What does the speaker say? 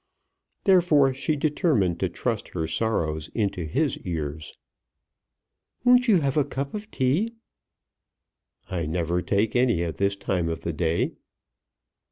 Therefore she determined to trust her sorrows into his ears. "Won't you have a cup of tea?" "I never take any at this time of the day."